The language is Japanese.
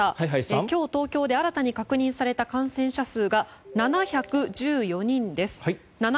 今日、東京で新たに確認された感染者数が７１４人です。